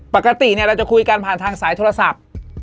ปกติเราจะคุยกันผ่านทางสายโทรศัพท์